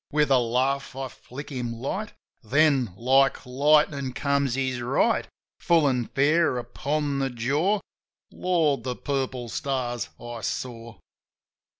With a laugh I flick him light; Then — like lightnin' comes his right Full an' fair upon the jaw — Lord, the purple stars I saw!